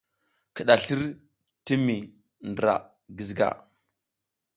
Kiɗaslir ti mi ndra Giziga.